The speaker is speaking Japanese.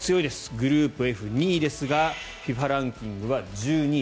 グループＦ、２位ですがＦＩＦＡランキングは１２位。